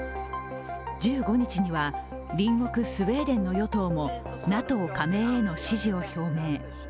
１５日には、隣国スウェーデンの与党もＮＡＴＯ加盟への支持を表明。